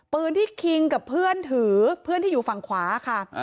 ปืนที่คิงกับเพื่อนถือเพื่อนที่อยู่ฝั่งขวาค่ะ